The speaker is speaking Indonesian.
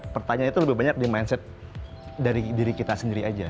pertanyaannya itu lebih banyak di mindset dari diri kita sendiri aja